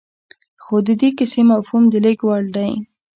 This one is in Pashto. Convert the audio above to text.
خو د دې کيسې مفهوم د لېږد وړ دی.